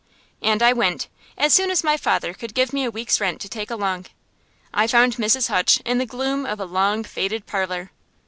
And I went, as soon as my father could give me a week's rent to take along. I found Mrs. Hutch in the gloom of a long, faded parlor.